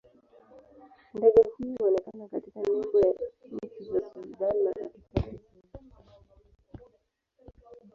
Ndege huyu huonekana katika nembo ya nchi za Sudan na Afrika Kusini.